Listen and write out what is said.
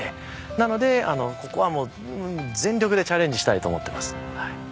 なのでここはもう全力でチャレンジしたいと思っています。